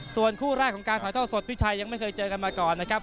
ส่วนคู่แรกของการถ่ายท่อสดพี่ชัยยังไม่เคยเจอกันมาก่อนนะครับ